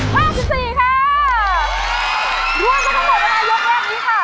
ห้าสิบสี่ค่ะรวมกันทั้งหมดเวลายกแรกนี้ค่ะ